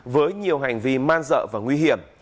với nhiều hành vi man dợ và nguy hiểm